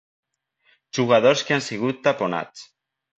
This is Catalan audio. "Jugadors que han sigut taponats".